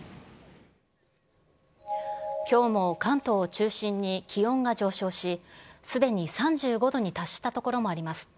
きょうも関東を中心に気温が上昇し、すでに３５度に達した所もあります。